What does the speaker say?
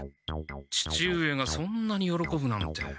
父上がそんなによろこぶなんて。